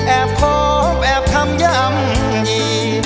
แอบโคบแอบคำยำยี